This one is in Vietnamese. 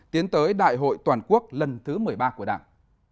tiến tới đại hội toàn quốc lần thứ một mươi ba của đảng